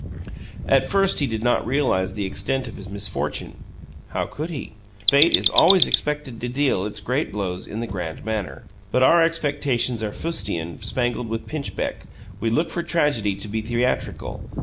At first he did not realize the extent of his misfortune. How could he? Fate is always expected to deal its great blows in the grand manner. But our expectations are fustian spangled with pinchbeck; we look for tragedy to be theatrical.